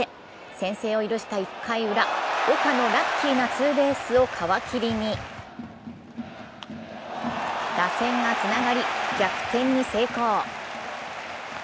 先制を許した１回裏、岡のラッキーなツーベースを皮切りに打線がつながり、逆転に成功。